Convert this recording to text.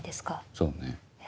そうね。